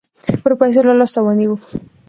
پروفيسر له لاسه ونيو.